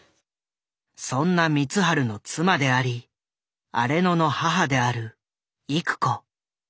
そんな光晴の妻であり荒野の母である郁子。